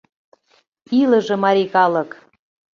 Илыже марий калык!